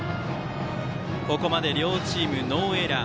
ここまで両チームノーエラー。